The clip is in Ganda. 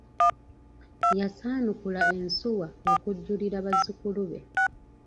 Yasaanukula ensuwa okujulira bazukulu be.